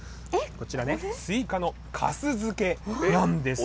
こちらね、スイカのかす漬けなんですよ。